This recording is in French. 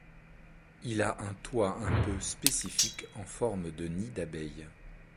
Il a un toit un peu spécifique en forme de nid d'abeille.